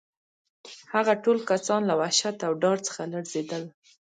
هغه ټول کسان له وحشت او ډار څخه لړزېدل